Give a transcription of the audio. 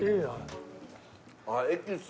あっエキス